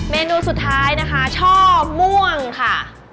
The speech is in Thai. เมนูสุดท้ายนะคะช่อม่วงค่ะ